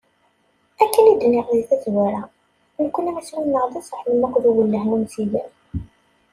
Akken i d-nniɣ di tazwara, nekni iswi-nneɣ d aseɛlem akked uwellah n umsider.